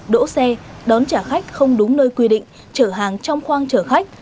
đổ xe đón trả khách không đúng nơi quy định trở hàng trong khoang trở khách